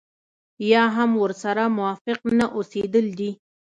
يا هم ورسره موافق نه اوسېدل دي.